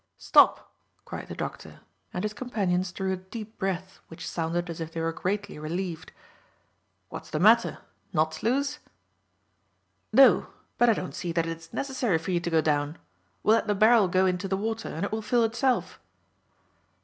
"Stop!" cried the doctor, and his companions drew a deep breath which sounded as if they were greatly relieved. "What's the matter? Knots loose?" "No, but I don't see that it is necessary for you to go down. We'll let the barrel go into the water, and it will fill itself."